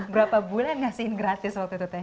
berapa bulan ngasihin gratis waktu itu teh